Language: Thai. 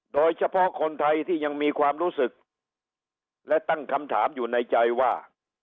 โดยเฉพาะคนไทยที่ยังมีความรู้สึกและตั้งคำถามอยู่ในใจว่า